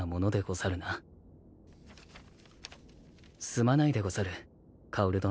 すまないでござる薫殿。